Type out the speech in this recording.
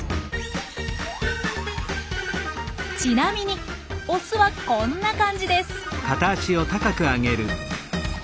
ちなみにオスはこんな感じです。